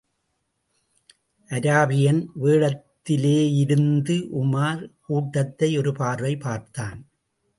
Arabian வேடத்திலேயிருந்து Umar கூட்டத்தை ஒரு பார்வை பார்த்தான்.